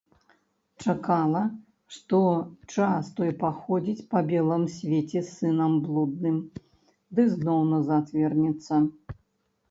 Чакала, што час той паходзіць па белым свеце сынам блудным ды зноў назад вернецца.